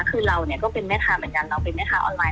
คือเราเนี่ยก็เป็นแม่ค้าเหมือนกันเราเป็นแม่ค้าออนไล